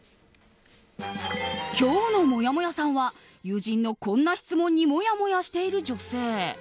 今日のもやもやさんは友人のこんな質問にもやもやしている女性。